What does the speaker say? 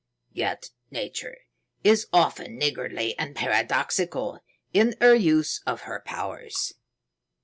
Yet Nature is often niggardly and paradoxical in her use of her powers.